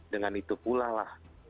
dengan itu pula lah